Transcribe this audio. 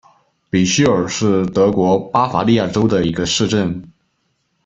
比希尔是德国巴伐利亚州的一个市镇。